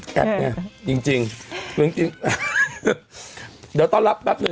ไงจริงจริงเรื่องจริงเดี๋ยวต้อนรับแป๊บหนึ่ง